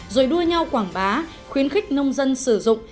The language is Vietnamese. rồi đua nhau quảng bá khuyến khích nông dân sử dụng